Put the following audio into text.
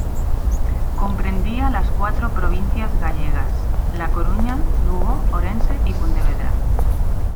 Comprendía las cuatro provincias gallegas: La Coruña, Lugo, Orense y Pontevedra.